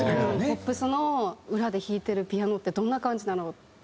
ポップスの裏で弾いてるピアノってどんな感じだろう？っていう。